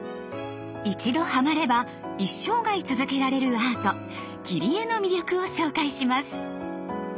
一度ハマれば一生涯続けられるアート「切り絵」の魅力を紹介します。